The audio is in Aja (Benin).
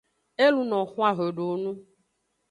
E luno xwan xwedowonu.